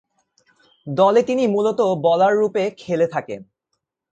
দলে তিনি মূলতঃ বোলাররূপে খেলে থাকেন।